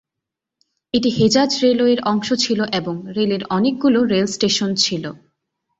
এটি হেজাজ রেলওয়ের অংশ ছিল এবং রেলের অনেকগুলি রেল স্টেশন ছিল।